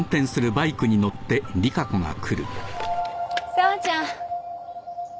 ・紗和ちゃん。